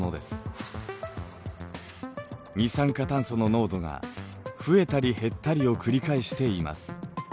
二酸化炭素の濃度が増えたり減ったりを繰り返しています。